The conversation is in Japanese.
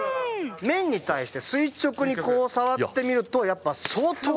面に対して垂直にこう触ってみるとやっぱ相当な強度を。